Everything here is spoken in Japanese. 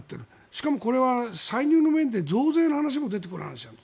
しかも、これは歳入の面で増税の話も出てくる話です。